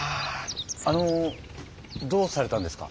あのどうされたんですか？